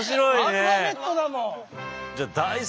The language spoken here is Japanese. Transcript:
アルファベットだもん。